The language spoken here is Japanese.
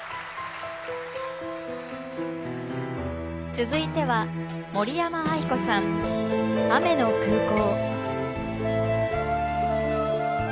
続いては森山愛子さん「雨の空港」。